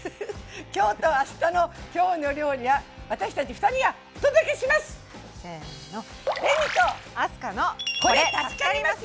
きょうとあしたの「きょうの料理」は私たち２人がお届けします！せの！